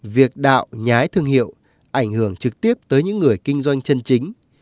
việc đạo nhái thương hiệu ảnh hưởng trực tiếp tới những người kinh doanh chân chính